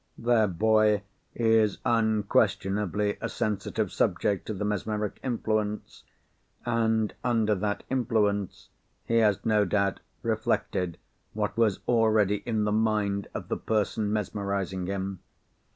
Their boy is unquestionably a sensitive subject to the mesmeric influence—and, under that influence, he has no doubt reflected what was already in the mind of the person mesmerising him.